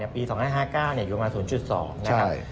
ปี๒๕๕๙อยู่ประมาณ๐๒